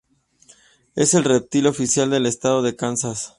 Es el reptil oficial del estado de Kansas.